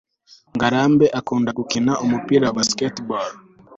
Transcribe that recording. ngarambe akunda gukina umupira wa baseball